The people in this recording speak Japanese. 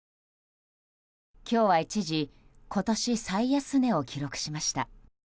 今日は一時今年最安値を記録しました。